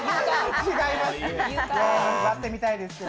違います。